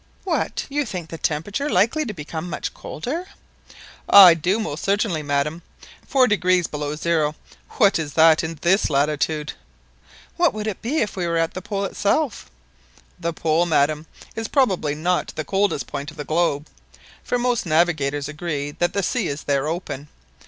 What, you think the temperature likely to become much colder?" "I do most certainly, madam, 4° below zero what is that at this latitude?" "What would it be if we were at the Pole itself?" "The Pole, madam, is probably not the coldest point of the globe, for most navigators agree that the sea is there open.